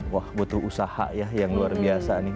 wah butuh usaha ya yang luar biasa nih